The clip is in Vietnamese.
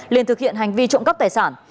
nên thực hiện hành vi trộm cắp tài sản